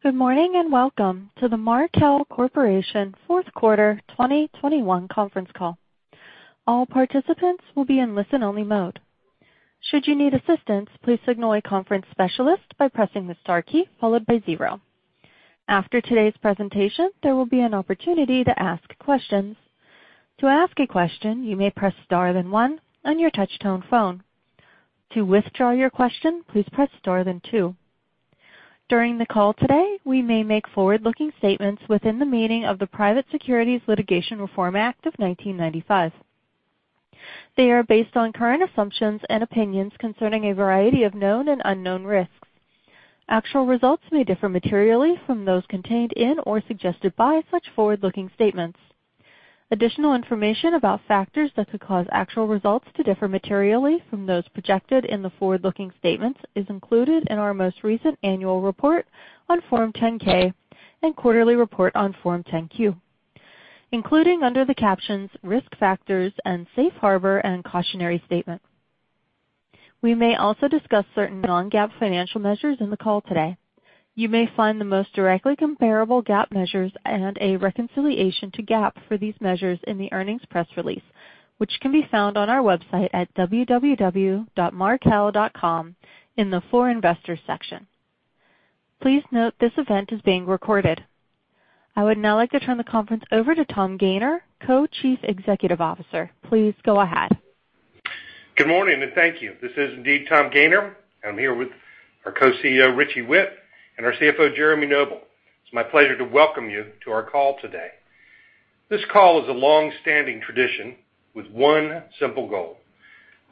Good morning, and welcome to the Markel Corporation fourth quarter 2021 conference call. All participants will be in listen-only mode. Should you need assistance, please signal a conference specialist by pressing the star key followed by 0. After today's presentation, there will be an opportunity to ask questions. To ask a question, you may press star then one on your touchtone phone. To withdraw your question, please press star then two. During the call today, we may make forward-looking statements within the meaning of the Private Securities Litigation Reform Act of 1995. They are based on current assumptions and opinions concerning a variety of known and unknown risks. Actual results may differ materially from those contained in or suggested by such forward-looking statements. Additional information about factors that could cause actual results to differ materially from those projected in the forward-looking statements is included in our most recent annual report on Form 10-K and quarterly report on Form 10-Q, including under the captions Risk Factors and Safe Harbor and Cautionary Statements. We may also discuss certain non-GAAP financial measures in the call today. You may find the most directly comparable GAAP measures and a reconciliation to GAAP for these measures in the earnings press release, which can be found on our website at www.markel.com in the For Investors section. Please note this event is being recorded. I would now like to turn the conference over to Tom Gayner, Co-Chief Executive Officer. Please go ahead. Good morning, and thank you. This is indeed Tom Gayner. I'm here with our Co-CEO, Richie Whitt, and our CFO, Jeremy Noble. It's my pleasure to welcome you to our call today. This call is a long-standing tradition with one simple goal.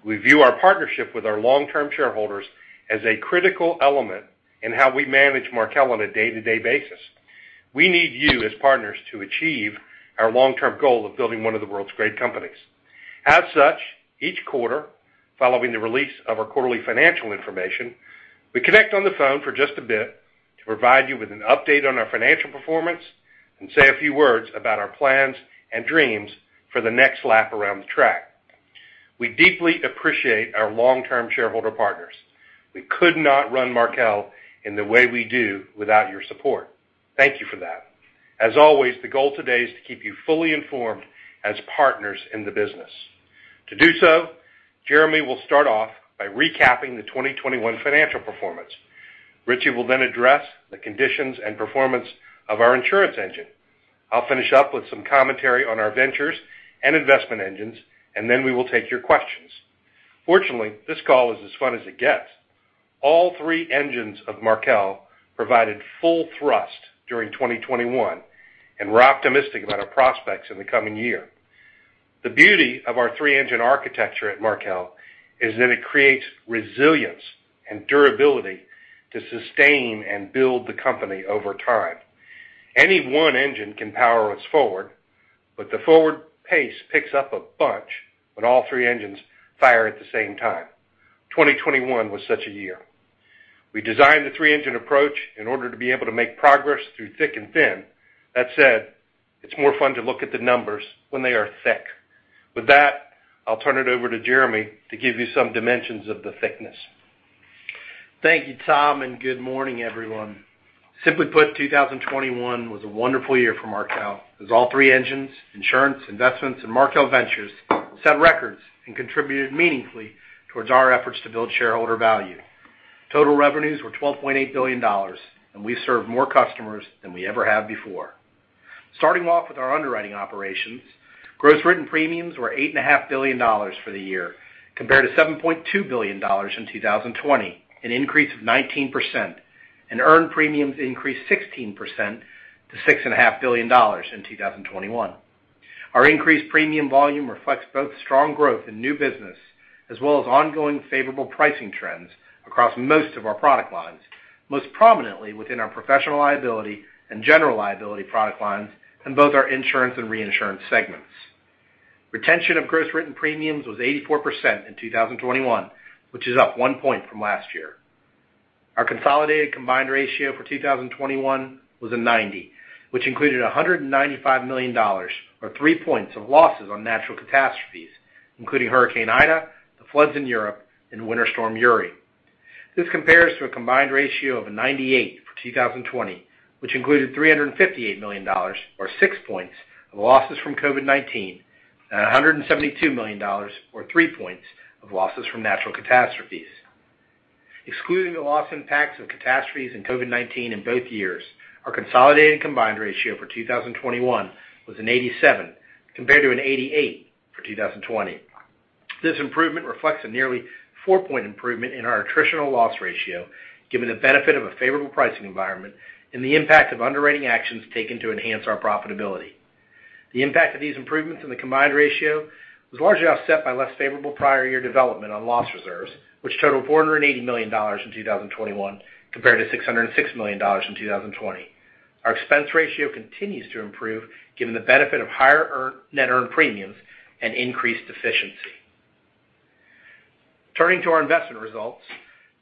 We view our partnership with our long-term shareholders as a critical element in how we manage Markel on a day-to-day basis. We need you as partners to achieve our long-term goal of building one of the world's great companies. As such, each quarter, following the release of our quarterly financial information, we connect on the phone for just a bit to provide you with an update on our financial performance and say a few words about our plans and dreams for the next lap around the track. We deeply appreciate our long-term shareholder partners. We could not run Markel in the way we do without your support. Thank you for that. As always, the goal today is to keep you fully informed as partners in the business. To do so, Jeremy will start off by recapping the 2021 financial performance. Richie Whitt will then address the conditions and performance of our insurance engine. I'll finish up with some commentary on our ventures and investment engines, and then we will take your questions. Fortunately, this call is as fun as it gets. All three engines of Markel provided full thrust during 2021, and we're optimistic about our prospects in the coming year. The beauty of our three-engine architecture at Markel is that it creates resilience and durability to sustain and build the company over time. Any one engine can power us forward, but the forward pace picks up a bunch when all three engines fire at the same time. 2021 was such a year. We designed the three-engine approach in order to be able to make progress through thick and thin. That said, it's more fun to look at the numbers when they are thick. With that, I'll turn it over to Jeremy to give you some dimensions of the thickness. Thank you, Tom, and good morning, everyone. Simply put, 2021 was a wonderful year for Markel as all three engines, insurance, investments, and Markel Ventures set records and contributed meaningfully towards our efforts to build shareholder value. Total revenues were $12.8 billion, and we served more customers than we ever have before. Starting off with our underwriting operations, gross written premiums were $8.5 billion for the year, compared to $7.2 billion in 2020, an increase of 19%, and earned premiums increased 16% to $6.5 billion in 2021. Our increased premium volume reflects both strong growth in new business as well as ongoing favorable pricing trends across most of our product lines, most prominently within our professional liability and general liability product lines in both our insurance and reinsurance segments. Retention of gross written premiums was 84% in 2021, which is up 1 point from last year. Our consolidated combined ratio for 2021 was 90, which included $195 million, or 3 points of losses on natural catastrophes, including Hurricane Ida, the floods in Europe, and Winter Storm Uri. This compares to a combined ratio of 98 for 2020, which included $358 million or 6 points of losses from COVID-19 and $172 million or 3 points of losses from natural catastrophes. Excluding the loss impacts of catastrophes and COVID-19 in both years, our consolidated combined ratio for 2021 was an 87 compared to an 88 for 2020. This improvement reflects a nearly 4-point improvement in our attritional loss ratio, given the benefit of a favorable pricing environment and the impact of underwriting actions taken to enhance our profitability. The impact of these improvements in the combined ratio was largely offset by less favorable prior year development on loss reserves, which totaled $480 million in 2021 compared to $606 million in 2020. Our expense ratio continues to improve given the benefit of higher net earned premiums and increased efficiency. Turning to our investment results,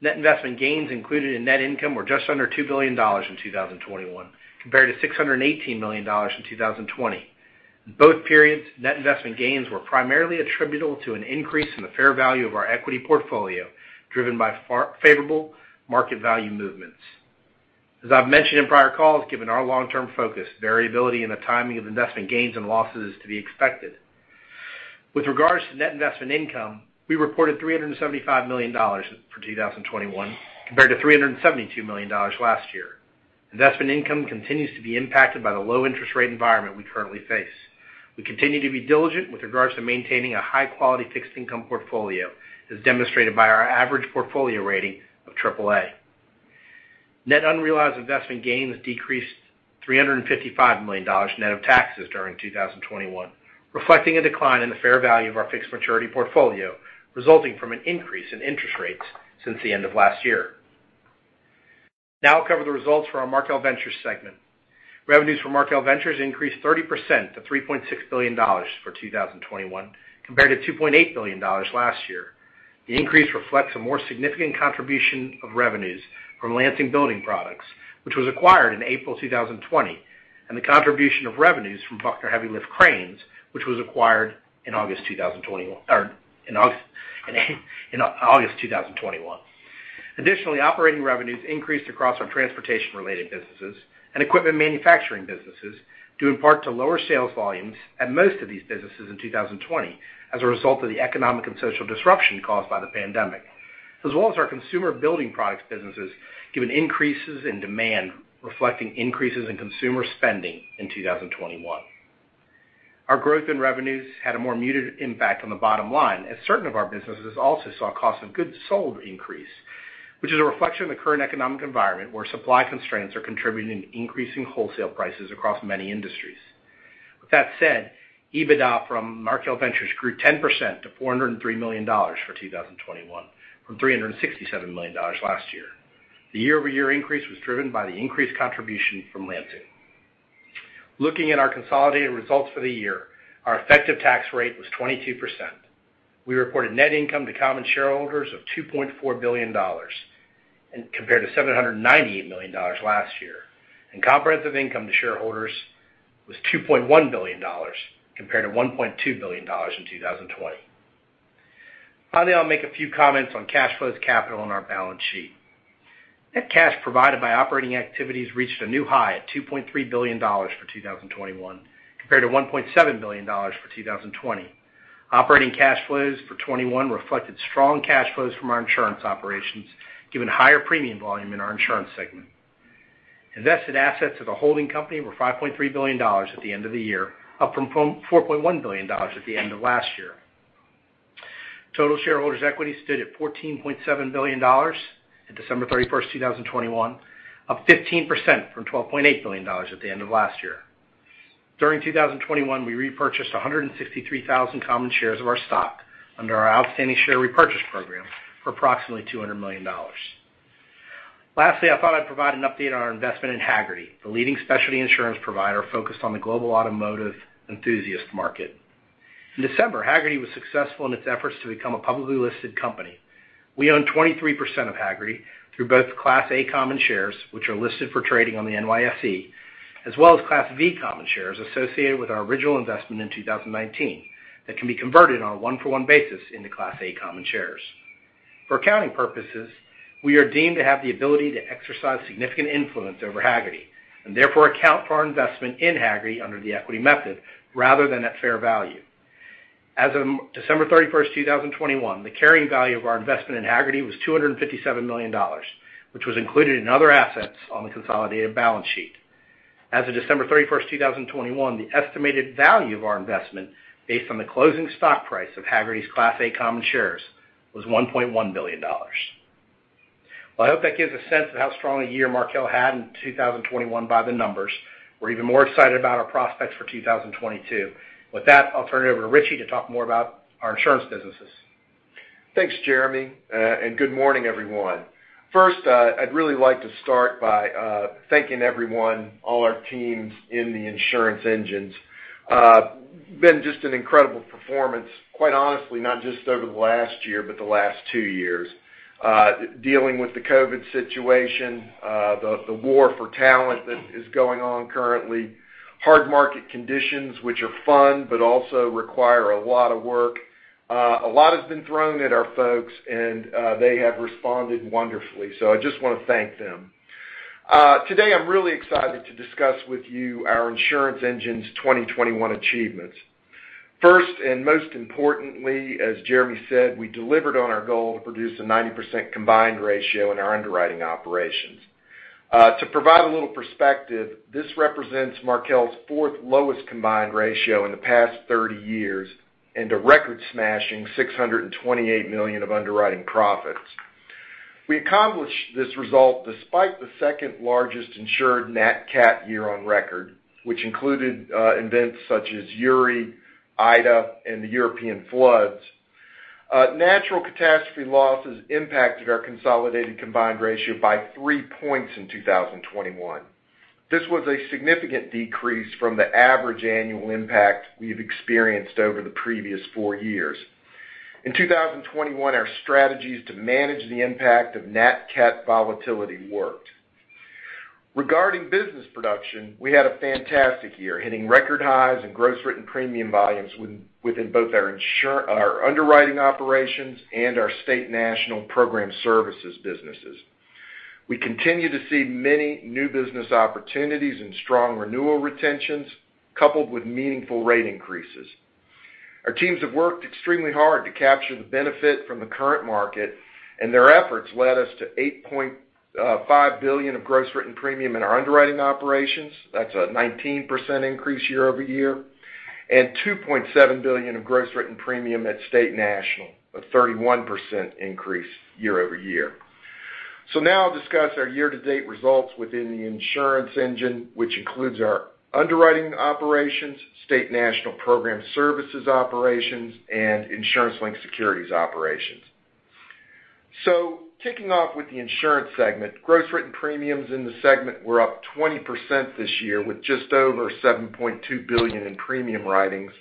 net investment gains included in net income were just under $2 billion in 2021 compared to $618 million in 2020. Both periods, net investment gains were primarily attributable to an increase in the fair value of our equity portfolio, driven by favorable market value movements. As I've mentioned in prior calls, given our long-term focus, variability in the timing of investment gains and losses is to be expected. With regards to net investment income, we reported $375 million for 2021 compared to $372 million last year. Investment income continues to be impacted by the low interest rate environment we currently face. We continue to be diligent with regards to maintaining a high-quality fixed income portfolio, as demonstrated by our average portfolio rating of AAA. Net unrealized investment gains decreased $355 million net of taxes during 2021, reflecting a decline in the fair value of our fixed maturity portfolio, resulting from an increase in interest rates since the end of last year. Now I'll cover the results for our Markel Ventures segment. Revenues for Markel Ventures increased 30% to $3.6 billion for 2021, compared to $2.8 billion last year. The increase reflects a more significant contribution of revenues from Lansing Building Products, which was acquired in April 2020, and the contribution of revenues from Buckner HeavyLift Cranes, which was acquired in August 2021. Additionally, operating revenues increased across our transportation-related businesses and equipment manufacturing businesses, due in part to lower sales volumes at most of these businesses in 2020 as a result of the economic and social disruption caused by the pandemic, as well as our consumer building products businesses, given increases in demand reflecting increases in consumer spending in 2021. Our growth in revenues had a more muted impact on the bottom line, as certain of our businesses also saw cost of goods sold increase, which is a reflection of the current economic environment where supply constraints are contributing to increasing wholesale prices across many industries. With that said, EBITDA from Markel Ventures grew 10% to $403 million for 2021, from $367 million last year. The year-over-year increase was driven by the increased contribution from Lansing. Looking at our consolidated results for the year, our effective tax rate was 22%. We reported net income to common shareholders of $2.4 billion, compared to $798 million last year. Comprehensive income to shareholders was $2.1 billion, compared to $1.2 billion in 2020. Finally, I'll make a few comments on cash flows, capital, and our balance sheet. Net cash provided by operating activities reached a new high at $2.3 billion for 2021, compared to $1.7 billion for 2020. Operating cash flows for 2021 reflected strong cash flows from our insurance operations, given higher premium volume in our insurance segment. Invested assets of the holding company were $5.3 billion at the end of the year, up from $4.1 billion at the end of last year. Total shareholders' equity stood at $14.7 billion at December 31, 2021, up 15% from $12.8 billion at the end of last year. During 2021, we repurchased 163,000 common shares of our stock under our outstanding share repurchase program for approximately $200 million. Lastly, I thought I'd provide an update on our investment in Hagerty, the leading specialty insurance provider focused on the global automotive enthusiast market. In December, Hagerty was successful in its efforts to become a publicly listed company. We own 23% of Hagerty through both Class A common shares, which are listed for trading on the NYSE, as well as Class V common shares associated with our original investment in 2019 that can be converted on a 1-for-1 basis into Class A common shares. For accounting purposes, we are deemed to have the ability to exercise significant influence over Hagerty, and therefore account for our investment in Hagerty under the equity method rather than at fair value. As of December 31, 2021, the carrying value of our investment in Hagerty was $257 million, which was included in other assets on the consolidated balance sheet. As of December 31, 2021, the estimated value of our investment based on the closing stock price of Hagerty's Class A common shares was $1.1 billion. Well, I hope that gives a sense of how strong a year Markel had in 2021 by the numbers. We're even more excited about our prospects for 2022. With that, I'll turn it over to Richie to talk more about our insurance businesses. Thanks, Jeremy, and good morning, everyone. First, I'd really like to start by thanking everyone, all our teams in the insurance engines. It's been just an incredible performance, quite honestly, not just over the last year, but the last two years. Dealing with the COVID situation, the war for talent that is going on currently, hard market conditions which are fun but also require a lot of work. A lot has been thrown at our folks, and they have responded wonderfully. I just wanna thank them. Today I'm really excited to discuss with you our insurance engine's 2021 achievements. First, most importantly, as Jeremy said, we delivered on our goal to produce a 90% combined ratio in our underwriting operations. To provide a little perspective, this represents Markel's fourth lowest combined ratio in the past 30 years, and a record-smashing $628 million of underwriting profits. We accomplished this result despite the second largest insured nat cat year on record, which included events such as Uri, Ida, and the European floods. Natural catastrophe losses impacted our consolidated combined ratio by 3 points in 2021. This was a significant decrease from the average annual impact we've experienced over the previous 4 years. In 2021, our strategies to manage the impact of nat cat volatility worked. Regarding business production, we had a fantastic year, hitting record highs in gross written premium volumes within both our underwriting operations and our State National program services businesses. We continue to see many new business opportunities and strong renewal retentions, coupled with meaningful rate increases. Our teams have worked extremely hard to capture the benefit from the current market, and their efforts led us to $8.5 billion of gross written premium in our underwriting operations. That's a 19% increase year-over-year, and $2.7 billion of gross written premium at State National, a 31% increase year-over-year. Now I'll discuss our year-to-date results within the insurance engine, which includes our underwriting operations, State National program services operations, and insurance-linked securities operations. Kicking off with the insurance segment, gross written premiums in the segment were up 20% this year, with just over $7.2 billion in premium writings,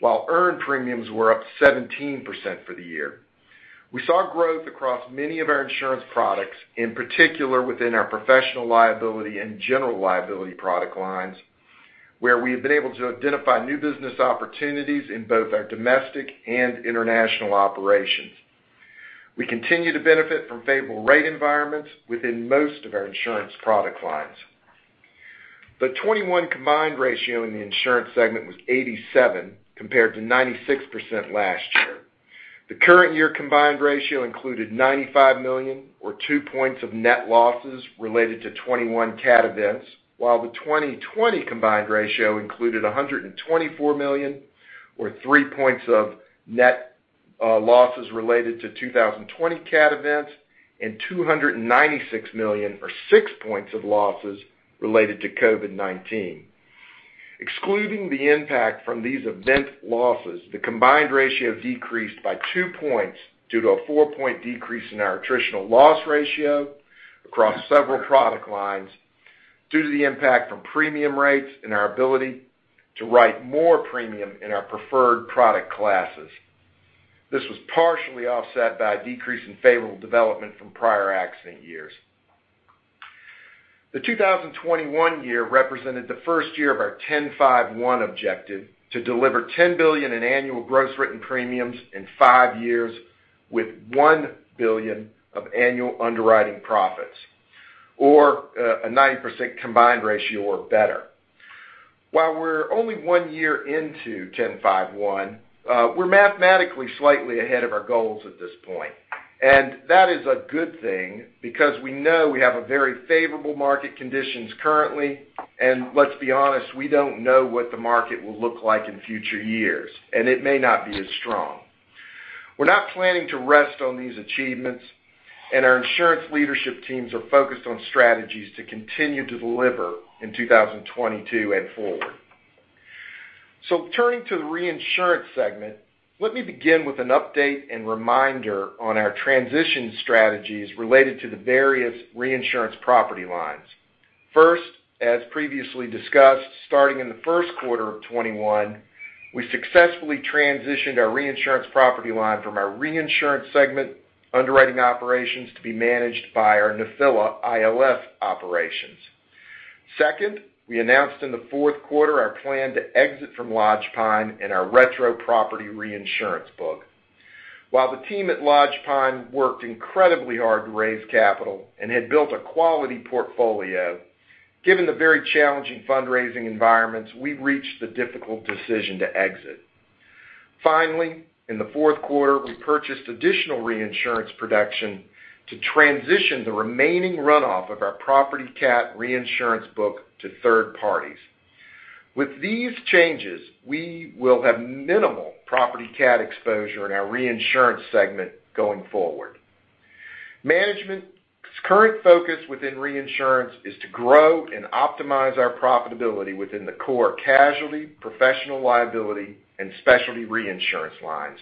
while earned premiums were up 17% for the year. We saw growth across many of our insurance products, in particular within our professional liability and general liability product lines, where we have been able to identify new business opportunities in both our domestic and international operations. We continue to benefit from favorable rate environments within most of our insurance product lines. The 2021 combined ratio in the insurance segment was 87, compared to 96% last year. The current year combined ratio included $95 million, or 2 points of net losses related to 2021 cat events, while the 2020 combined ratio included $124 million, or 3 points of net losses related to 2020 cat events, and $296 million, or 6 points of losses related to COVID-19. Excluding the impact from these event losses, the combined ratio decreased by 2 points due to a 4-point decrease in our attritional loss ratio across several product lines due to the impact from premium rates and our ability to write more premium in our preferred product classes. This was partially offset by a decrease in favorable development from prior accident years. The 2021 year represented the first year of our 10-5-1 objective to deliver $10 billion in annual gross written premiums in 5 years with $1 billion of annual underwriting profits, or a 9% combined ratio or better. While we're only 1 year into 10-5-1, we're mathematically slightly ahead of our goals at this point. That is a good thing because we know we have a very favorable market conditions currently, and let's be honest, we don't know what the market will look like in future years, and it may not be as strong. We're not planning to rest on these achievements, and our insurance leadership teams are focused on strategies to continue to deliver in 2022 and forward. Turning to the reinsurance segment, let me begin with an update and reminder on our transition strategies related to the various reinsurance property lines. First, as previously discussed, starting in the first quarter of 2021, we successfully transitioned our reinsurance property line from our reinsurance segment underwriting operations to be managed by our Nephila ILS operations. Second, we announced in the fourth quarter our plan to exit from Lodgepine in our retro property reinsurance book. While the team at Lodgepine worked incredibly hard to raise capital and had built a quality portfolio, given the very challenging fundraising environments, we reached the difficult decision to exit. Finally, in the fourth quarter, we purchased additional reinsurance production to transition the remaining runoff of our property cat reinsurance book to third parties. With these changes, we will have minimal property cat exposure in our reinsurance segment going forward. Management's current focus within reinsurance is to grow and optimize our profitability within the core casualty, professional liability, and specialty reinsurance lines,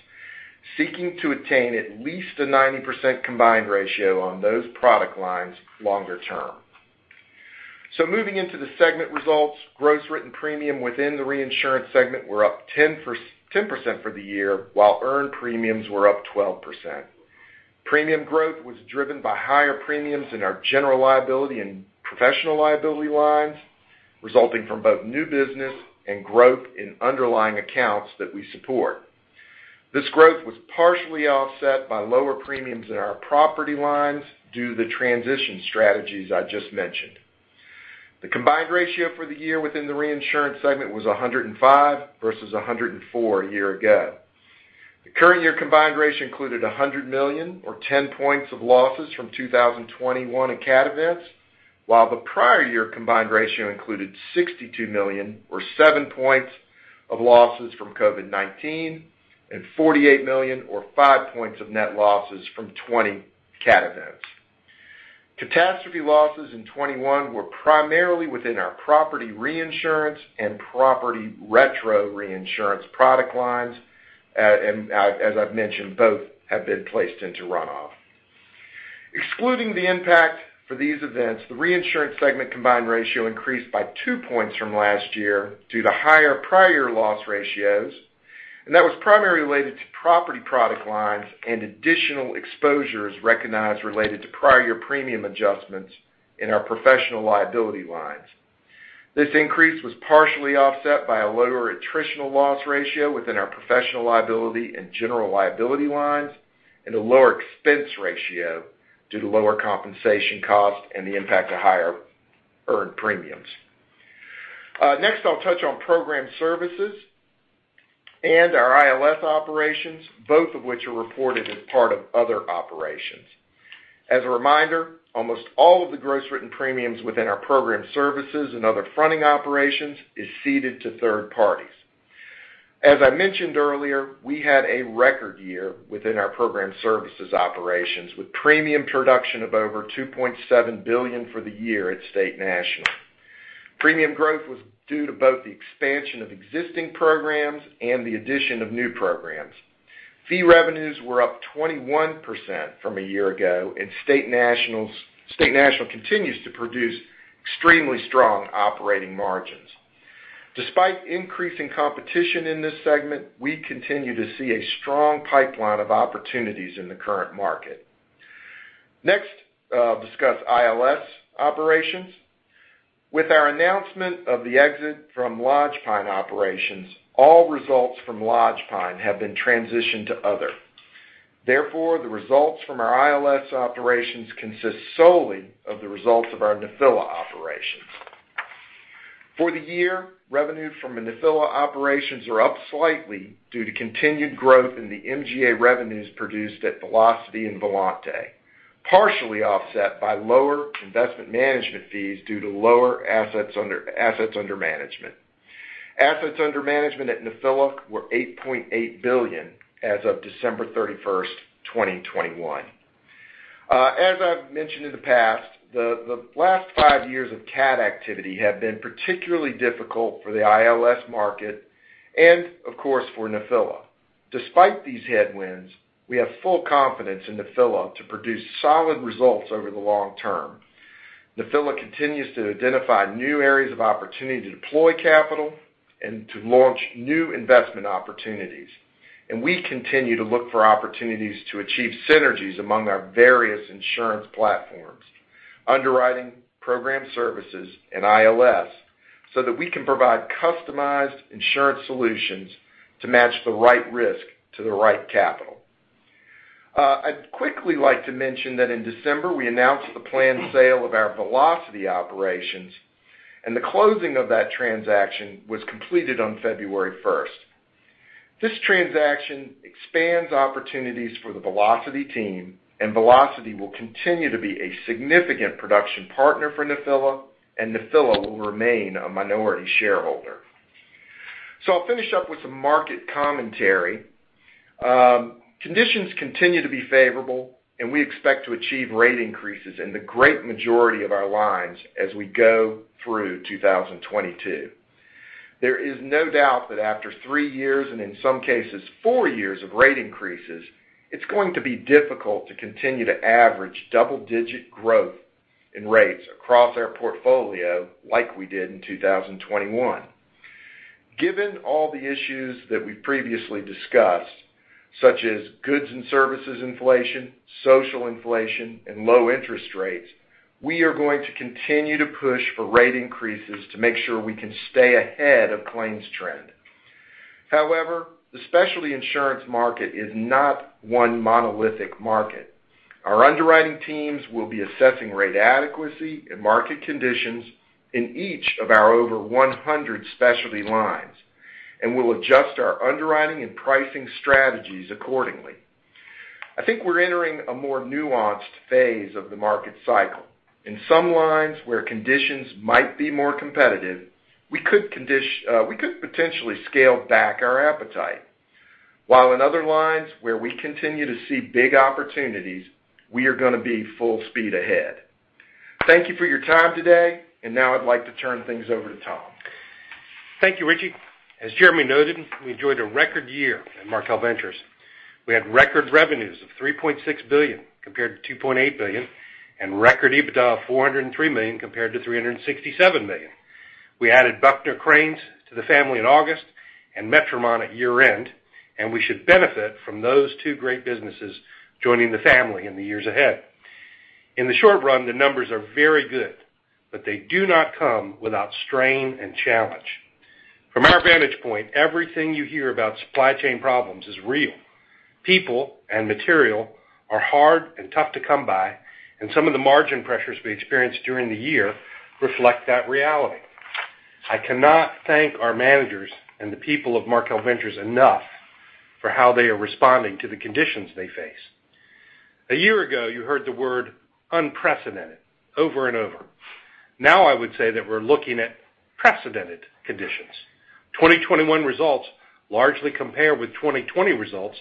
seeking to attain at least a 90% combined ratio on those product lines longer term. Moving into the segment results, gross written premium within the reinsurance segment were up 10% for the year, while earned premiums were up 12%. Premium growth was driven by higher premiums in our general liability and professional liability lines, resulting from both new business and growth in underlying accounts that we support. This growth was partially offset by lower premiums in our property lines due to the transition strategies I just mentioned. The combined ratio for the year within the reinsurance segment was 105 versus 104 a year ago. The current year combined ratio included $100 million or 10 points of losses from 2021 cat events, while the prior year combined ratio included $62 million or 7 points of losses from COVID-19 and $48 million or 5 points of net losses from 2020 cat events. Catastrophe losses in 2021 were primarily within our property reinsurance and property retro reinsurance product lines. As I've mentioned, both have been placed into runoff. Excluding the impact for these events, the reinsurance segment combined ratio increased by 2 points from last year due to higher prior loss ratios. That was primarily related to property product lines and additional exposures recognized related to prior year premium adjustments in our professional liability lines. This increase was partially offset by a lower attritional loss ratio within our professional liability and general liability lines, and a lower expense ratio due to lower compensation costs and the impact of higher earned premiums. Next, I'll touch on program services and our ILS operations, both of which are reported as part of other operations. As a reminder, almost all of the gross written premiums within our program services and other fronting operations is ceded to third parties. As I mentioned earlier, we had a record year within our program services operations, with premium production of over $2.7 billion for the year at State National. Premium growth was due to both the expansion of existing programs and the addition of new programs. Fee revenues were up 21% from a year ago, and State National continues to produce extremely strong operating margins. Despite increasing competition in this segment, we continue to see a strong pipeline of opportunities in the current market. Next, I'll discuss ILS operations. With our announcement of the exit from Lodgepine operations, all results from Lodgepine have been transitioned to other. Therefore, the results from our ILS operations consist solely of the results of our Nephila operations. For the year, revenue from the Nephila operations are up slightly due to continued growth in the MGA revenues produced at Velocity and Volante, partially offset by lower investment management fees due to lower assets under management. Assets under management at Nephila were $8.8 billion as of December 31, 2021. As I've mentioned in the past, the last five years of cat activity have been particularly difficult for the ILS market and of course, for Nephila. Despite these headwinds, we have full confidence in Nephila to produce solid results over the long term. Nephila continues to identify new areas of opportunity to deploy capital and to launch new investment opportunities. We continue to look for opportunities to achieve synergies among our various insurance platforms, underwriting program services and ILS, so that we can provide customized insurance solutions to match the right risk to the right capital. I'd quickly like to mention that in December, we announced the planned sale of our Velocity operations, and the closing of that transaction was completed on February first. This transaction expands opportunities for the Velocity team, and Velocity will continue to be a significant production partner for Nephila, and Nephila will remain a minority shareholder. I'll finish up with some market commentary. Conditions continue to be favorable, and we expect to achieve rate increases in the great majority of our lines as we go through 2022. There is no doubt that after three years, and in some cases, four years of rate increases, it's going to be difficult to continue to average double-digit growth in rates across our portfolio like we did in 2021. Given all the issues that we previously discussed, such as goods and services inflation, social inflation, and low interest rates, we are going to continue to push for rate increases to make sure we can stay ahead of claims trend. However, the specialty insurance market is not one monolithic market. Our underwriting teams will be assessing rate adequacy and market conditions in each of our over 100 specialty lines, and we'll adjust our underwriting and pricing strategies accordingly. I think we're entering a more nuanced phase of the market cycle. In some lines where conditions might be more competitive, we could potentially scale back our appetite. While in other lines where we continue to see big opportunities, we are gonna be full speed ahead. Thank you for your time today. Now I'd like to turn things over to Tom. Thank you, Richie. As Jeremy noted, we enjoyed a record year at Markel Ventures. We had record revenues of $3.6 billion compared to $2.8 billion and record EBITDA of $403 million compared to $367 million. We added Buckner Cranes to the family in August and Metromont at year-end, and we should benefit from those two great businesses joining the family in the years ahead. In the short run, the numbers are very good, but they do not come without strain and challenge. From our vantage point, everything you hear about supply chain problems is real. People and material are hard and tough to come by, and some of the margin pressures we experienced during the year reflect that reality. I cannot thank our managers and the people of Markel Ventures enough for how they are responding to the conditions they face. A year ago, you heard the word unprecedented over and over. Now I would say that we're looking at precedented conditions. 2021 results largely compare with 2020 results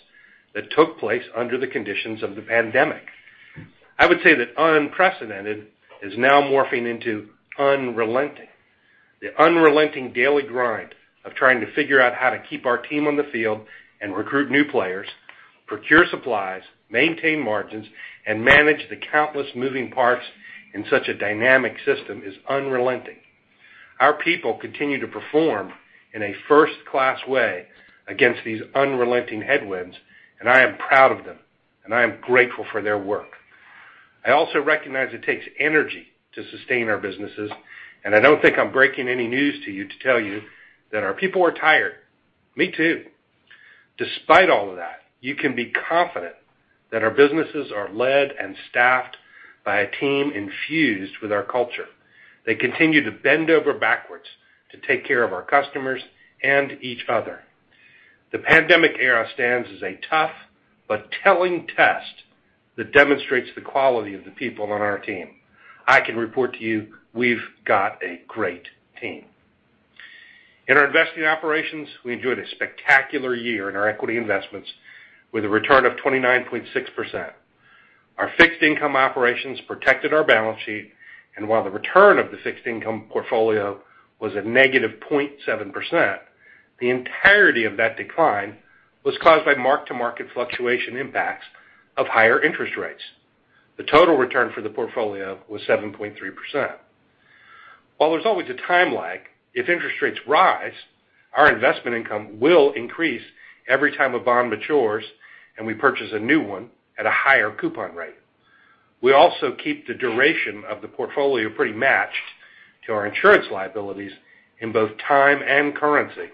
that took place under the conditions of the pandemic. I would say that unprecedented is now morphing into unrelenting. The unrelenting daily grind of trying to figure out how to keep our team on the field and recruit new players, procure supplies, maintain margins, and manage the countless moving parts in such a dynamic system is unrelenting. Our people continue to perform in a first-class way against these unrelenting headwinds, and I am proud of them, and I am grateful for their work. I also recognize it takes energy to sustain our businesses, and I don't think I'm breaking any news to you to tell you that our people are tired. Me too. Despite all of that, you can be confident that our businesses are led and staffed by a team infused with our culture. They continue to bend over backwards to take care of our customers and each other. The pandemic era stands as a tough but telling test that demonstrates the quality of the people on our team. I can report to you we've got a great team. In our investing operations, we enjoyed a spectacular year in our equity investments with a return of 29.6%. Our fixed income operations protected our balance sheet, and while the return of the fixed income portfolio was a negative 0.7%, the entirety of that decline was caused by mark-to-market fluctuation impacts of higher interest rates. The total return for the portfolio was 7.3%. While there's always a time lag, if interest rates rise, our investment income will increase every time a bond matures, and we purchase a new one at a higher coupon rate. We also keep the duration of the portfolio pretty matched to our insurance liabilities in both time and currency,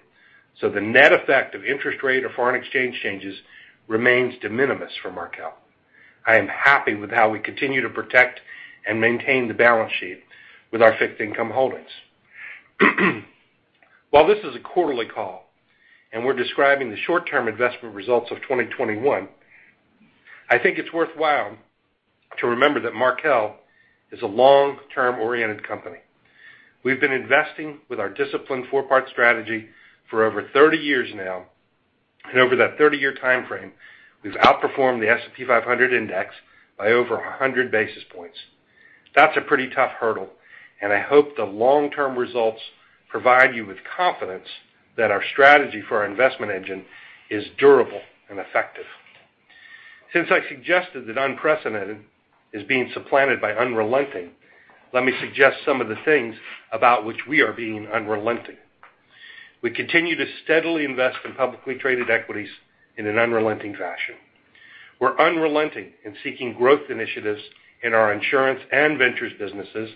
so the net effect of interest rate or foreign exchange changes remains de minimis for Markel. I am happy with how we continue to protect and maintain the balance sheet with our fixed income holdings. While this is a quarterly call and we're describing the short-term investment results of 2021, I think it's worthwhile to remember that Markel is a long-term-oriented company. We've been investing with our disciplined four-part strategy for over 30 years now, and over that 30-year timeframe, we've outperformed the S&P 500 index by over 100 basis points. That's a pretty tough hurdle, and I hope the long-term results provide you with confidence that our strategy for our investment engine is durable and effective. Since I suggested that unprecedented is being supplanted by unrelenting, let me suggest some of the things about which we are being unrelenting. We continue to steadily invest in publicly traded equities in an unrelenting fashion. We're unrelenting in seeking growth initiatives in our insurance and ventures businesses,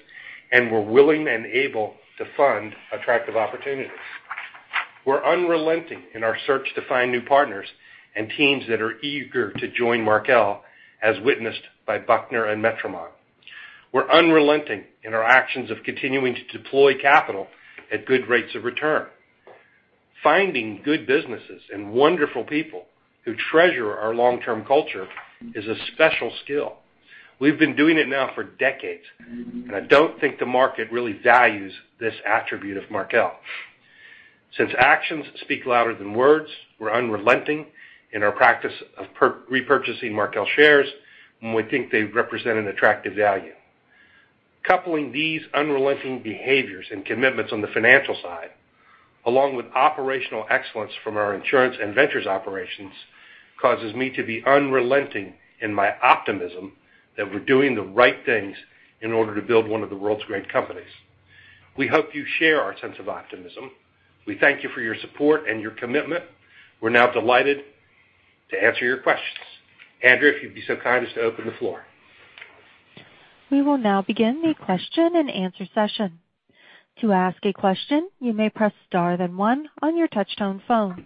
and we're willing and able to fund attractive opportunities. We're unrelenting in our search to find new partners and teams that are eager to join Markel, as witnessed by Buckner and Metromont. We're unrelenting in our actions of continuing to deploy capital at good rates of return. Finding good businesses and wonderful people who treasure our long-term culture is a special skill. We've been doing it now for decades, and I don't think the market really values this attribute of Markel. Since actions speak louder than words, we're unrelenting in our practice of repurchasing Markel shares when we think they represent an attractive value. Coupling these unrelenting behaviors and commitments on the financial side, along with operational excellence from our insurance and ventures operations, causes me to be unrelenting in my optimism that we're doing the right things in order to build one of the world's great companies. We hope you share our sense of optimism. We thank you for your support and your commitment. We're now delighted to answer your questions. Andrea, if you'd be so kind as to open the floor. We will now begin the question-and-answer session. To ask a question, you may press star then one on your touchtone phone.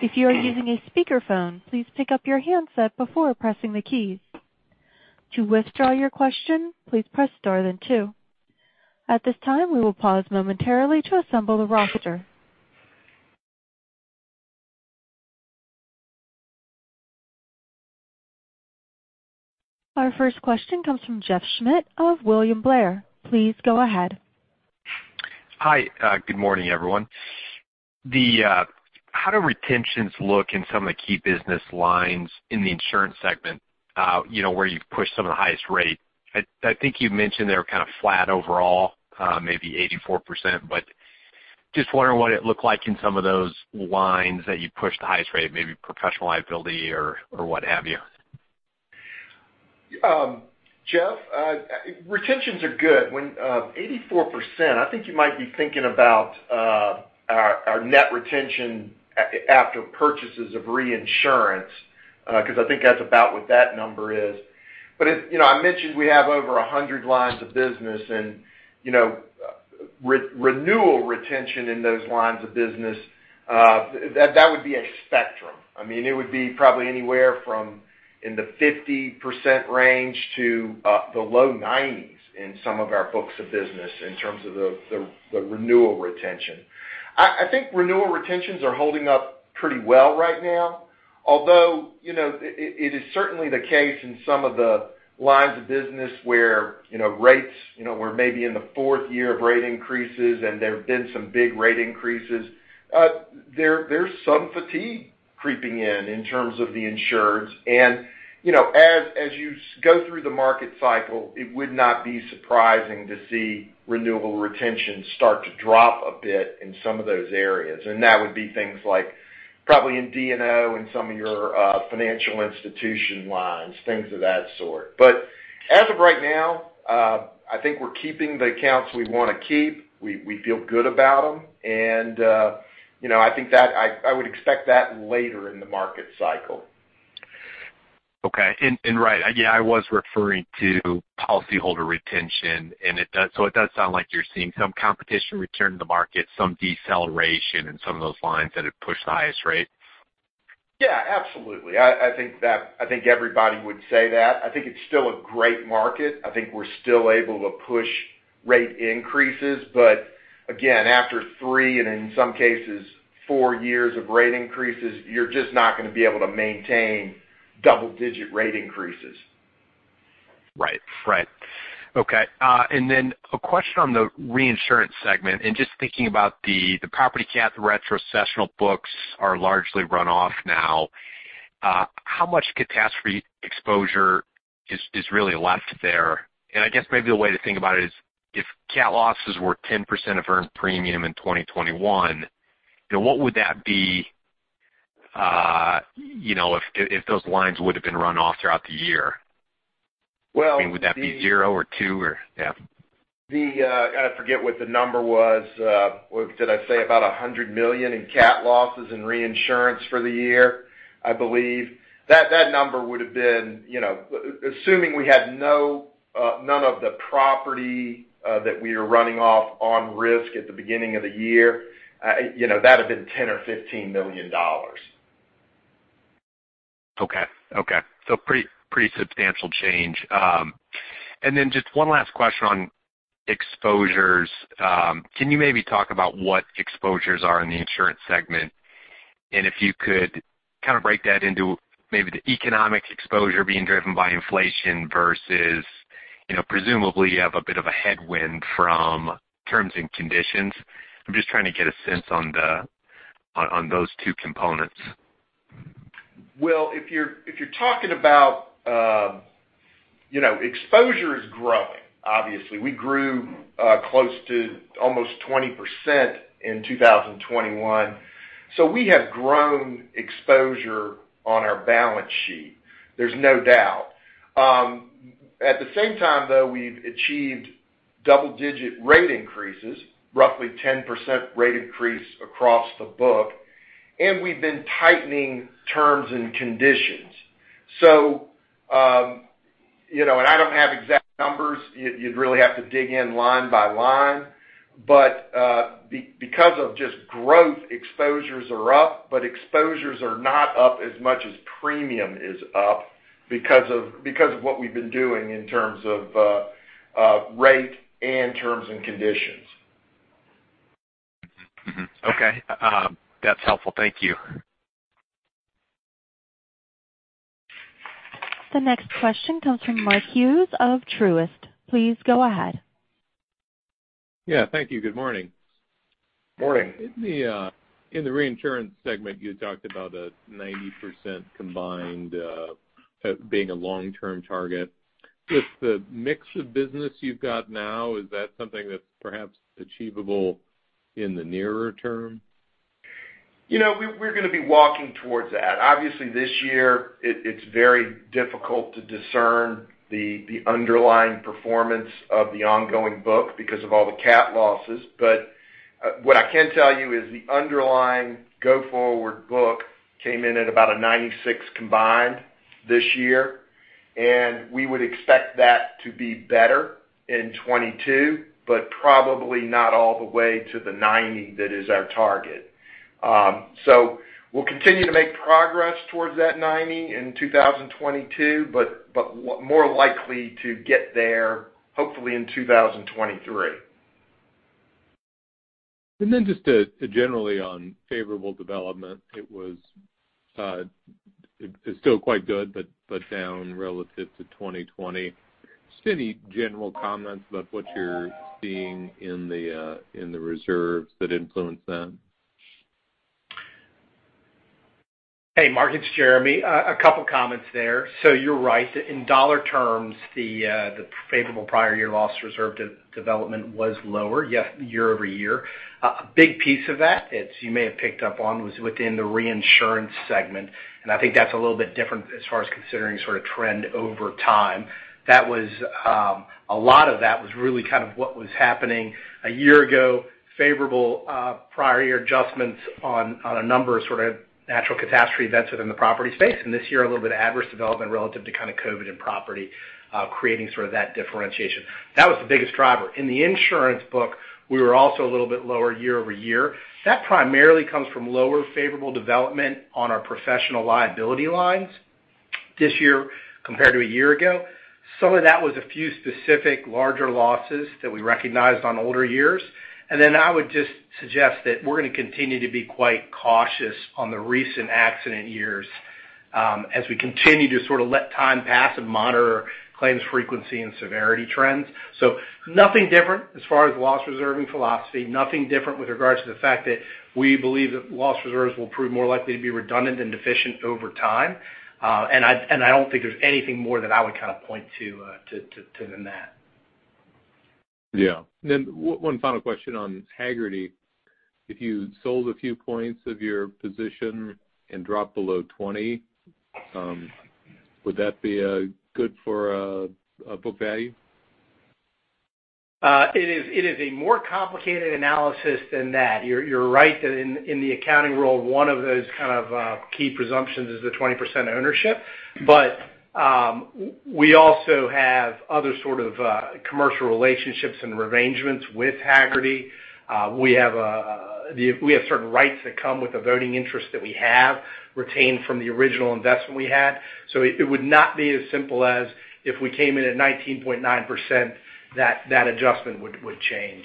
If you are using a speakerphone, please pick up your handset before pressing the keys. To withdraw your question, please press star then two. At this time, we will pause momentarily to assemble the roster. Our first question comes from Jeff Schmitt of William Blair. Please go ahead. Hi. Good morning, everyone. How do retentions look in some of the key business lines in the insurance segment, you know, where you've pushed some of the highest rate? I think you've mentioned they're kind of flat overall, maybe 84%, but just wondering what it looked like in some of those lines that you pushed the highest rate, maybe professional liability or what have you. Jeff, retentions are good. When 84%, I think you might be thinking about our net retention after purchases of reinsurance, 'cause I think that's about what that number is. It, you know, I mentioned we have over 100 lines of business and you know, renewal retention in those lines of business, that would be a spectrum. I mean, it would be probably anywhere from in the 50% range to the low 90s in some of our books of business in terms of the renewal retention. I think renewal retentions are holding up pretty well right now. Although it is certainly the case in some of the lines of business where rates were maybe in the fourth year of rate increases, and there have been some big rate increases. There's some fatigue creeping in terms of the insureds. As you go through the market cycle, it would not be surprising to see renewable retention start to drop a bit in some of those areas. That would be things like Probably in D&O and some of your financial institution lines, things of that sort. As of right now, I think we're keeping the accounts we wanna keep. We feel good about them, and you know, I would expect that later in the market cycle. Yeah, I was referring to policyholder retention, and it does sound like you're seeing some competition return to the market, some deceleration in some of those lines that have pushed the highest rate. Yeah, absolutely. I think everybody would say that. I think it's still a great market. I think we're still able to push rate increases. Again, after three, and in some cases, four years of rate increases, you're just not gonna be able to maintain double-digit rate increases. Right. Okay. And then a question on the reinsurance segment, just thinking about the property cat retrocessional books are largely run off now. How much catastrophe exposure is really left there? I guess maybe the way to think about it is, if cat losses were 10% of earned premium in 2021, you know, what would that be, you know, if those lines would've been run off throughout the year? Well, I mean, would that be zero or two? Yeah. I forget what the number was. What did I say? About $100 million in cat losses and reinsurance for the year, I believe. That number would have been, you know, assuming we had none of the property that we are running off on risk at the beginning of the year, you know, that'd have been $10 million or $15 million. Okay. Pretty substantial change. Just one last question on exposures. Can you maybe talk about what exposures are in the insurance segment? If you could kind of break that into maybe the economic exposure being driven by inflation versus, you know, presumably you have a bit of a headwind from terms and conditions. I'm just trying to get a sense on those two components. Well, if you're talking about, you know, exposure is growing, obviously. We grew close to almost 20% in 2021. We have grown exposure on our balance sheet. There's no doubt. At the same time, though, we've achieved double-digit rate increases, roughly 10% rate increase across the book, and we've been tightening terms and conditions. You know, I don't have exact numbers. You'd really have to dig in line by line. Because of just growth, exposures are up, but exposures are not up as much as premium is up because of what we've been doing in terms of rate and terms and conditions. Mm-hmm. Okay. That's helpful. Thank you. The next question comes from Mark Hughes of Truist. Please go ahead. Yeah, thank you. Good morning. Morning. In the reinsurance segment, you talked about a 90% combined being a long-term target. With the mix of business you've got now, is that something that's perhaps achievable in the nearer term? You know, we're gonna be walking towards that. Obviously, this year it's very difficult to discern the underlying performance of the ongoing book because of all the cat losses. What I can tell you is the underlying go forward book came in at about a 96 combined this year, and we would expect that to be better in 2022, but probably not all the way to the 90 that is our target. We'll continue to make progress towards that 90 in 2022, but more likely to get there hopefully in 2023. Just generally on favorable development, it was, it's still quite good, but down relative to 2020. Just any general comments about what you're seeing in the reserves that influence that? Hey, Mark, it's Jeremy. A couple comments there. You're right. In dollar terms, the favorable prior year loss reserve development was lower, yes, year-over-year. A big piece of that, it's you may have picked up on, was within the reinsurance segment, and I think that's a little bit different as far as considering sort of trend over time. That was a lot of that was really kind of what was happening a year ago, favorable prior year adjustments on a number of sorts of natural catastrophe events within the property space. This year, a little bit of adverse development relative to kind of COVID and property creating sort of that differentiation. That was the biggest driver. In the insurance book, we were also a little bit lower year-over-year. That primarily comes from lower favorable development on our professional liability lines this year compared to a year ago. Some of that was a few specific larger losses that we recognized on older years. I would just suggest that we're gonna continue to be quite cautious on the recent accident years, as we continue to sort of let time pass and monitor claims frequency and severity trends. Nothing different as far as loss reserving philosophy. Nothing different with regards to the fact that we believe that loss reserves will prove more likely to be redundant than deficient over time. I don't think there's anything more that I would kind of point to than that. Yeah. One final question on Hagerty. If you sold a few points of your position and dropped below 20, would that be good for book value? It is a more complicated analysis than that. You're right that in the accounting world, one of those kinds of key presumptions is the 20% ownership. We also have other sort of commercial relationships and rearrangements with Hagerty. We have certain rights that come with the voting interest that we have retained from the original investment we had. It would not be as simple as if we came in at 19.9% that adjustment would change.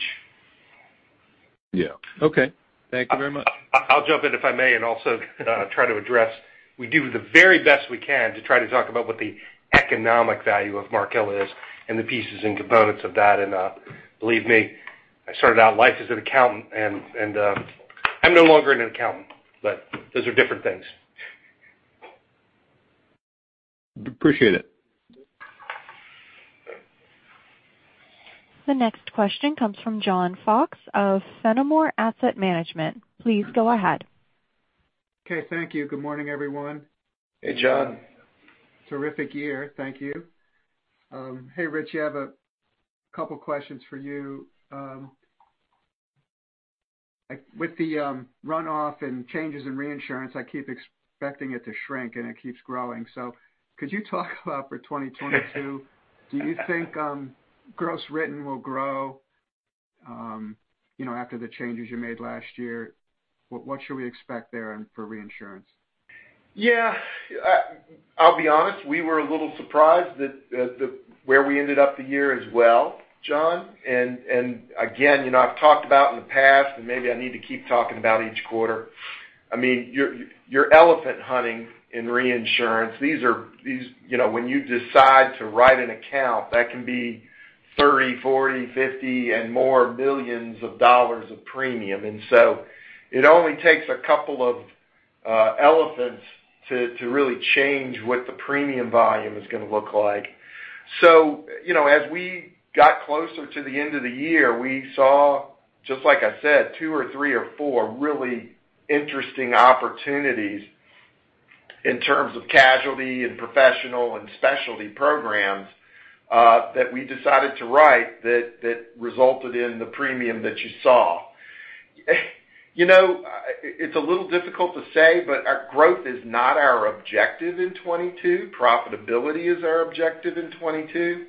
Yeah. Okay. Thank you very much. I'll jump in if I may, and also try to address. We do the very best we can to try to talk about what the economic value of Markel is and the pieces and components of that. Believe me, I started out life as an accountant and I'm no longer an accountant, but those are different things. Appreciate it. The next question comes from John Fox of Fenimore Asset Management. Please go ahead. Okay. Thank you. Good morning, everyone. Hey, John. Terrific year. Thank you. Hey, Rich, I have a couple questions for you. With the runoff and changes in reinsurance, I keep expecting it to shrink, and it keeps growing. Could you talk about for 2022, do you think, gross written will grow, you know, after the changes you made last year? What should we expect there and for reinsurance? Yeah. I'll be honest, we were a little surprised that where we ended up the year as well, John. Again, you know, I've talked about in the past, and maybe I need to keep talking about each quarter. I mean, you're elephant hunting in reinsurance. These are, you know, when you decide to write an account, that can be $30 million, $40 million, $50 million or more of premium. It only takes a couple of elephants to really change what the premium volume is gonna look like. You know, as we got closer to the end of the year, we saw, just like I said, two or three or four really interesting opportunities in terms of casualty, professional and specialty programs that we decided to write that resulted in the premium that you saw. You know, it's a little difficult to say, but our growth is not our objective in 2022. Profitability is our objective in 2022.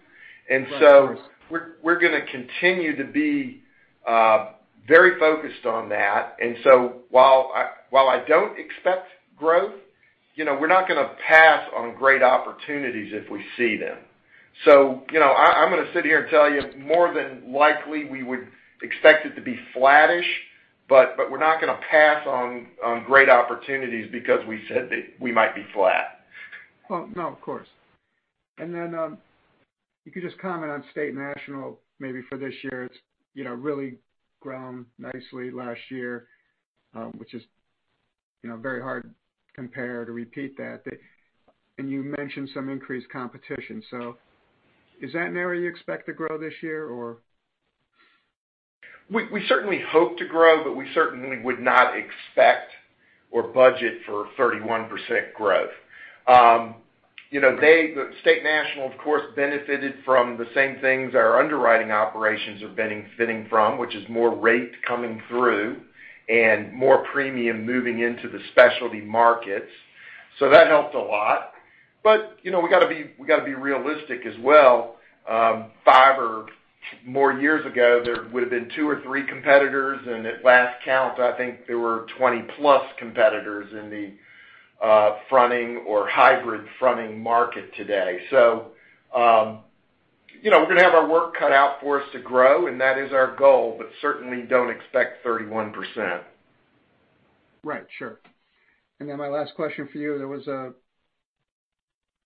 We're gonna continue to be very focused on that. While I don't expect growth, you know, we're not gonna pass on great opportunities if we see them. You know, I'm gonna sit here and tell you more than likely we would expect it to be flattish, but we're not gonna pass on great opportunities because we said that we might be flat. Well, no, of course. If you could just comment on State National, maybe for this year. It's, you know, really grown nicely last year, which is, you know, very hard comp to repeat that. But you mentioned some increased competition. Is that an area you expect to grow this year or? We certainly hope to grow, but we certainly would not expect or budget for 31% growth. You know, they, the State National, of course, benefited from the same things our underwriting operations are benefiting from, which is more rate coming through and more premium moving into the specialty markets. That helped a lot. You know, we gotta be realistic as well. Five or more years ago, there would have been two or three competitors, and at last count, I think there were 20-plus competitors in the fronting or hybrid fronting market today. You know, we're gonna have our work cut out for us to grow, and that is our goal, but certainly don't expect 31%. Right. Sure. My last question for you, there was a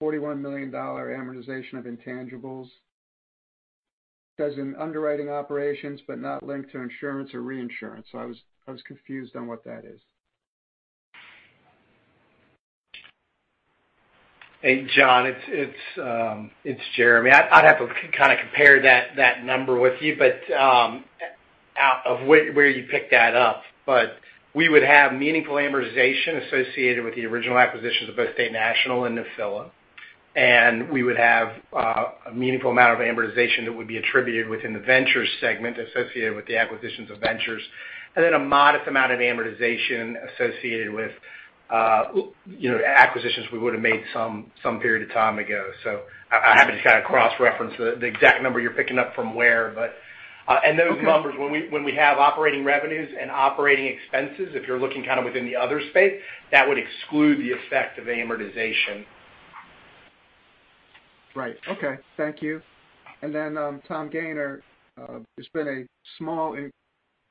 $41 million amortization of intangibles. It says in underwriting operations, but not linked to insurance or reinsurance. I was confused on what that is. Hey, John, it's Jeremy. I'd have to kinda compare that number with you, but out of where you picked that up. We would have meaningful amortization associated with the original acquisitions of both State National and Nephila. We would have a meaningful amount of amortization that would be attributed within the Ventures segment associated with the acquisitions of Ventures, and then a modest amount of amortization associated with you know, acquisitions we would have made some period of time ago. I have to kind of cross-reference the exact number you're picking up from where. Those numbers when we have operating revenues and operating expenses, if you're looking kind of within the other space, that would exclude the effect of amortization. Right. Okay. Thank you. Tom Gayner, there's been a small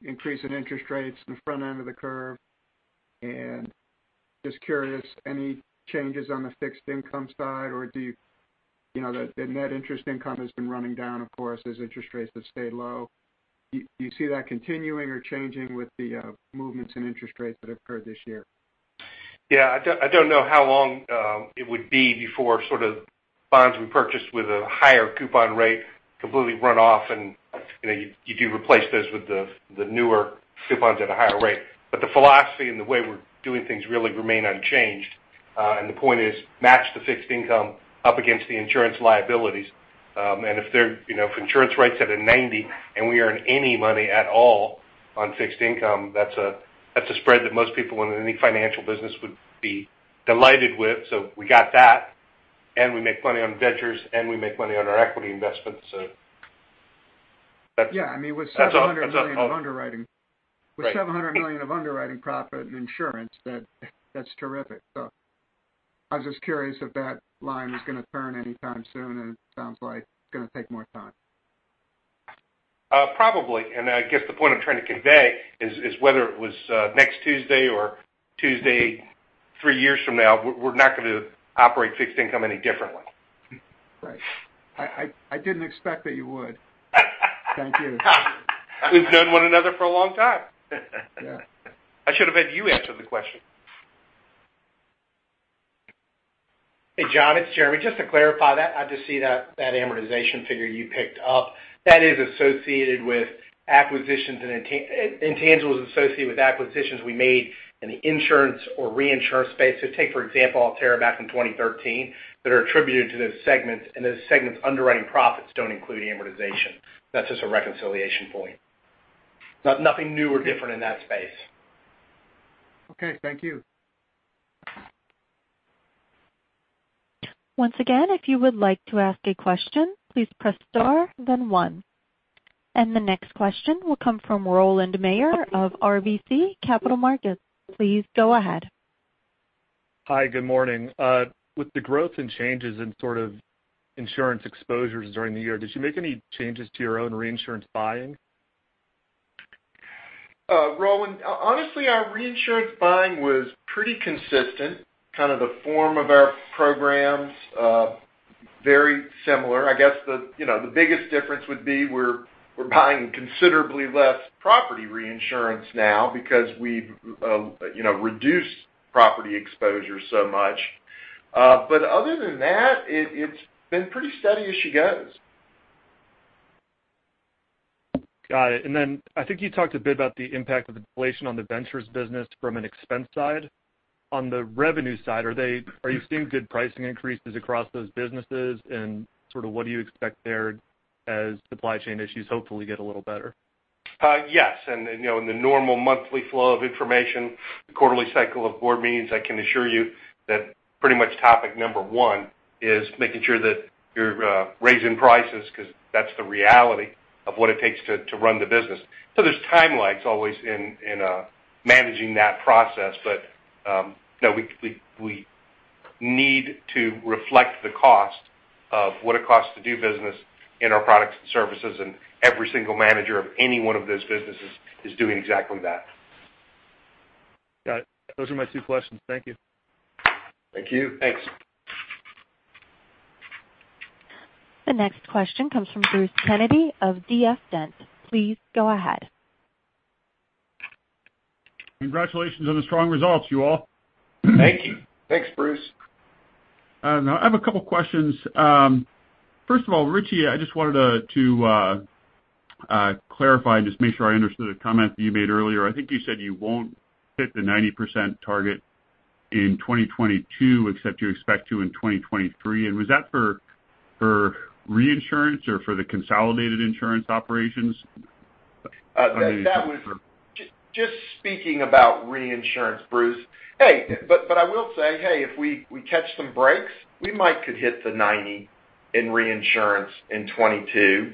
increase in interest rates in the front end of the curve. Just curious, any changes on the fixed income side, or do you know, the net interest income has been running down, of course, as interest rates have stayed low. Do you see that continuing or changing with the movements in interest rates that occurred this year? Yeah, I don't know how long it would be before sort of bonds we purchased with a higher coupon rate completely run off and, you know, you do replace those with the newer coupons at a higher rate. The philosophy and the way we're doing things really remain unchanged. The point is match the fixed income up against the insurance liabilities. If they're, you know, if insurance rates at 90 and we earn any money at all on fixed income, that's a spread that most people in any financial business would be delighted with. We got that, and we make money on ventures, and we make money on our equity investments. That's- Yeah, I mean, with $700 million of underwriting- Right. With $700 million of underwriting profit in insurance, that's terrific. I was just curious if that line was gonna turn anytime soon, and it sounds like it's gonna take more time. Probably. I guess the point I'm trying to convey is whether it was next Tuesday or Tuesday three years from now, we're not gonna operate fixed income any differently. Right. I didn't expect that you would. Thank you. We've known one another for a long time. Yeah. I should have had you answer the question. Hey, John, it's Jeremy. Just to clarify that, I see that amortization figure you picked up, that is associated with acquisitions and intangibles associated with acquisitions we made in the insurance or reinsurance space. Take, for example, Alterra back in 2013, that are attributed to those segments, and those segments' underwriting profits don't include amortization. That's just a reconciliation point. Nothing new or different in that space. Okay, thank you. Once again, if you would like to ask a question, please press star then one. The next question will come from Rowland Mayor of RBC Capital Markets. Please go ahead. Hi, good morning. With the growth and changes in sort of insurance exposures during the year, did you make any changes to your own reinsurance buying? Rowland, honestly, our reinsurance buying was pretty consistent, kind of the form of our programs, very similar. I guess, you know, the biggest difference would be we're buying considerably less property reinsurance now because we've, you know, reduced property exposure so much. Other than that, it's been pretty steady as she goes. Got it. I think you talked a bit about the impact of inflation on the ventures business from an expense side. On the revenue side, are you seeing good pricing increases across those businesses? Sort of what do you expect there as supply chain issues hopefully get a little better? Yes, you know, in the normal monthly flow of information, the quarterly cycle of board meetings, I can assure you that pretty much topic number one is making sure that you're raising prices 'cause that's the reality of what it takes to run the business. There's time lags always in managing that process. No, we need to reflect the cost of what it costs to do business in our products and services, and every single manager of any one of those businesses is doing exactly that. Got it. Those are my two questions. Thank you. Thank you. Thanks. The next question comes from Bruce Kennedy of D.F. Dent. Please go ahead. Congratulations on the strong results, you all. Thank you. Thanks, Bruce. Now I have a couple questions. First of all, Richie, I just wanted to clarify and just make sure I understood a comment that you made earlier. I think you said you won't hit the 90% target in 2022, except you expect to in 2023. Was that for reinsurance or for the consolidated insurance operations? That was. I mean Just speaking about reinsurance, Bruce. Hey, but I will say, hey, if we catch some breaks, we might could hit the 90% in reinsurance in 2022.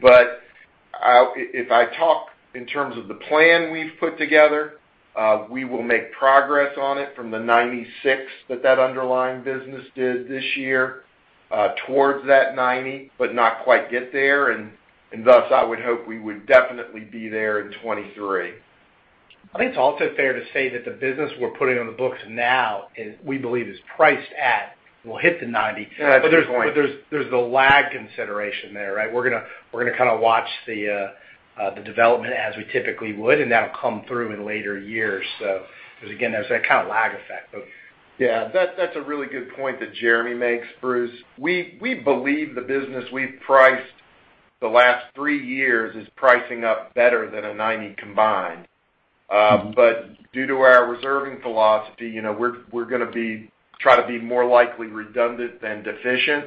If I talk in terms of the plan we've put together, we will make progress on it from the 96% that underlying business did this year towards that 90%, but not quite get there. Thus, I would hope we would definitely be there in 2023. I think it's also fair to say that the business we're putting on the books now is, we believe, priced at, we'll hit the 90%. Yeah, that's a good point. There's the lag consideration there, right? We're gonna kinda watch the development as we typically would, and that'll come through in later years. 'Cause again, there's that kind of lag effect of. Yeah. That's a really good point that Jeremy makes, Bruce. We believe the business we've priced the last three years is pricing up better than 90% combined. But due to our reserving philosophy, you know, we're gonna try to be more likely redundant than deficient.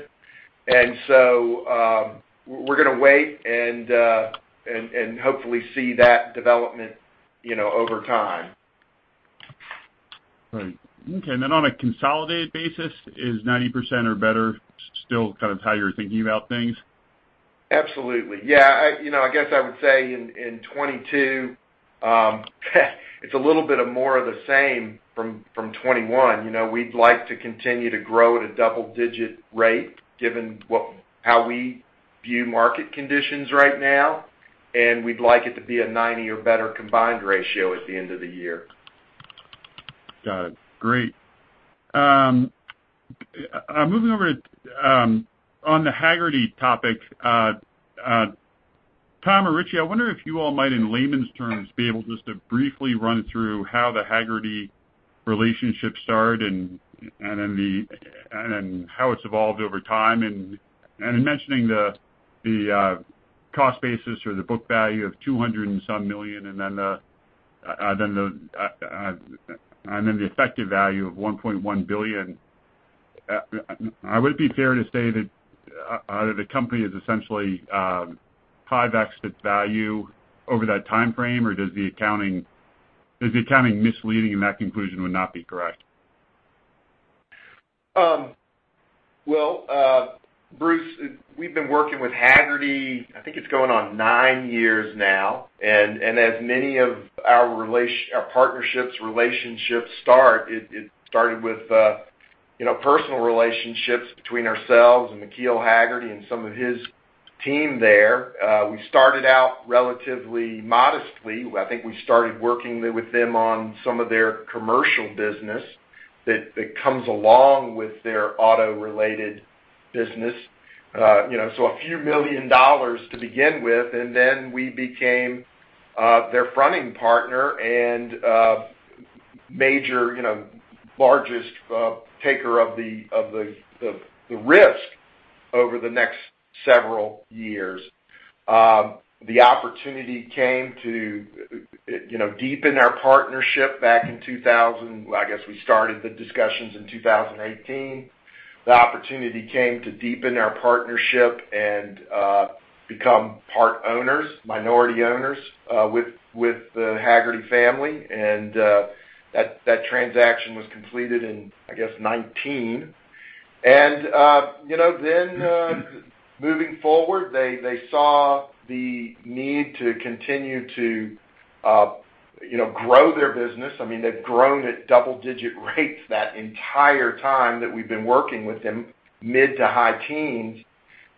We're gonna wait and hopefully see that development, you know, over time. Right. Okay. On a consolidated basis, is 90% or better still kind of how you're thinking about things? Absolutely. Yeah, you know, I guess I would say in 2022, it's a little bit more of the same from 2021. You know, we'd like to continue to grow at a double-digit rate given how we view market conditions right now, and we'd like it to be a 90 or better combined ratio at the end of the year. Got it. Great. Moving over to the Hagerty topic. Tom or Richie, I wonder if you all might, in layman's terms, be able just to briefly run through how the Hagerty relationship started and then how it's evolved over time. In mentioning the cost basis or the book value of $200 and some million, and then the effective value of $1.1 billion, would it be fair to say that the company is essentially five times its value over that timeframe? Or is the accounting misleading and that conclusion would not be correct? Well, Bruce, we've been working with Hagerty. I think it's going on nine years now. As many of our partnerships, relationships start, it started with you know, personal relationships between ourselves and McKeel Hagerty and some of his team there. We started out relatively modestly. I think we started working with them on some of their commercial business that comes along with their auto-related business. You know, so a million dollars to begin with, and then we became their fronting partner and major, you know, largest taker of the risk over the next several years. The opportunity came to you know, deepen our partnership back in 2018. I guess we started the discussions in 2018. The opportunity came to deepen our partnership and become part owners, minority owners, with the Hagerty family. That transaction was completed in, I guess, 2019. You know, then moving forward, they saw the need to continue to you know, grow their business. I mean, they've grown at double-digit rates that entire time that we've been working with them, mid to high teens.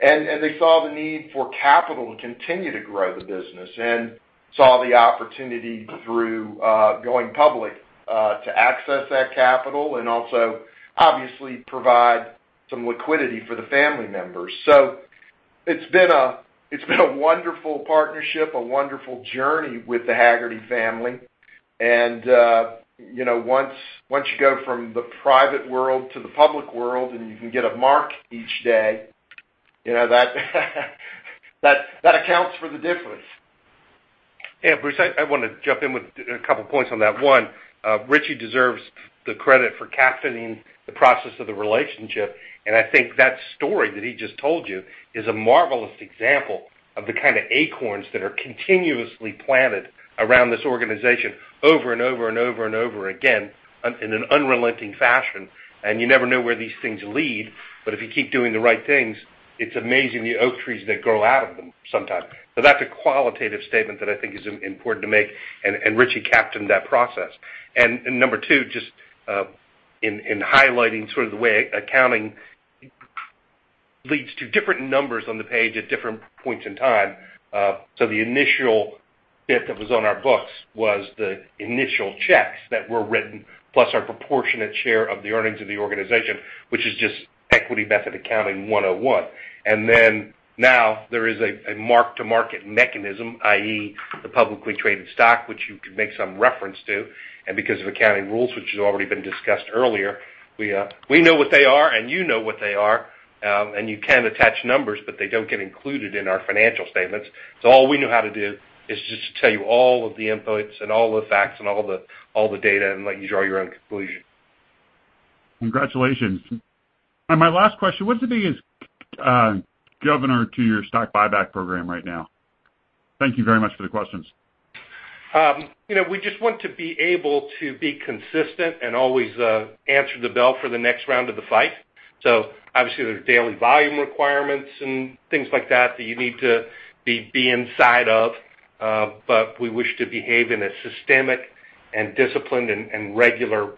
They saw the need for capital to continue to grow the business and saw the opportunity through going public to access that capital and also obviously provide some liquidity for the family members. It's been a wonderful partnership, a wonderful journey with the Hagerty family. You know, once you go from the private world to the public world, and you can get a mark each day, you know that accounts for the difference. Yeah, Bruce, I wanna jump in with a couple of points on that. One, Richie deserves the credit for captaining the process of the relationship. I think that story that he just told you is a marvelous example of the kind of acorns that are continuously planted around this organization over and over and over and over again in an unrelenting fashion. You never know where these things lead, but if you keep doing the right things, it's amazing the oak trees that grow out of them sometimes. That's a qualitative statement that I think is important to make, and Richie captained that process. Number two, just in highlighting sort of the way accounting leads to different numbers on the page at different points in time. The initial bit that was on our books was the initial checks that were written, plus our proportionate share of the earnings of the organization, which is just equity method accounting 101. Now there is a mark-to-market mechanism, i.e., the publicly traded stock, which you can make some reference to. Because of accounting rules, which has already been discussed earlier, we know what they are, and you know what they are, and you can attach numbers, but they don't get included in our financial statements. All we know how to do is just tell you all of the inputs and all the facts and all the data and let you draw your own conclusion. Congratulations. My last question: What's the biggest governor to your stock buyback program right now? Thank you very much for the questions. You know, we just want to be able to be consistent and always answer the bell for the next round of the fight. Obviously, there's daily volume requirements and things like that that you need to be inside of, but we wish to behave in a systematic and disciplined and regular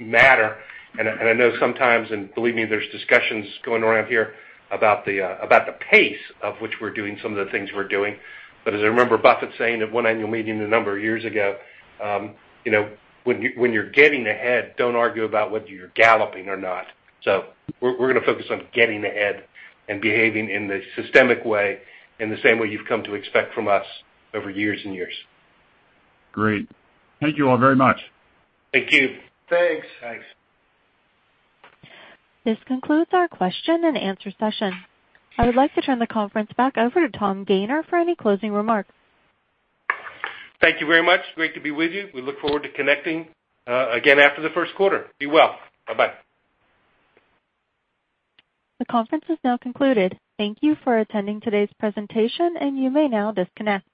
manner. I know sometimes, and believe me, there's discussions going around here about the pace at which we're doing some of the things we're doing. As I remember Buffett saying at one annual meeting a number of years ago, you know, when you're getting ahead, don't argue about whether you're galloping or not. We're gonna focus on getting ahead and behaving in the systematic way, in the same way you've come to expect from us over years and years. Great. Thank you all very much. Thank you. Thanks. Thanks. This concludes our question and answer session. I would like to turn the conference back over to Tom Gayner for any closing remarks. Thank you very much. Great to be with you. We look forward to connecting again after the first quarter. Be well. Bye-bye. The conference is now concluded. Thank you for attending today's presentation, and you may now disconnect.